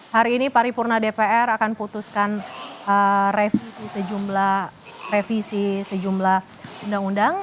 hari ini paripurna dpr akan putuskan revisi sejumlah revisi sejumlah undang undang